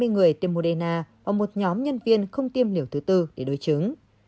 một trăm hai mươi người tiêm moderna và một nhóm nhân viên không tiêm liều thứ tư để đối chứng